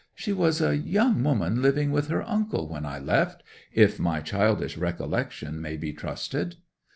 She was a young woman living with her uncle when I left, if my childish recollection may be trusted.